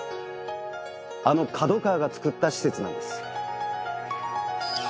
あのＫＡＤＯＫＡＷＡが造った施設なんです。